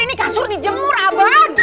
ini kasur di jemur abang